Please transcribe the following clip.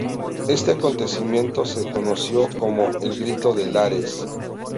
Este acontecimiento se conoció como "El Grito de Lares".